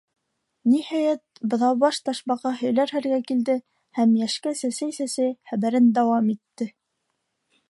Ниһайәт, Быҙаубаш Ташбаҡа һөйләр хәлгә килде һәм йәшкә сәсәй-сәсәй, хәбәрен дауам итте: